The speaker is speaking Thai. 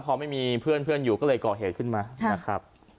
พอไม่มีเพื่อนอยู่ก็เลยก่อเหตุขึ้นมานะครับ